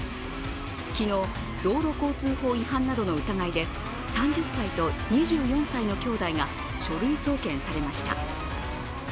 昨日、道路交通法違反などの疑いで３０歳と２４歳の兄弟が書類送検されました。